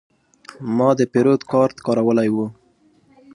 ما د پیرود کارت کارولی و.